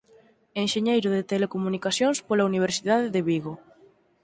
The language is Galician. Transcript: Enxeñeiro de telecomunicacións pola Universidade de Vigo.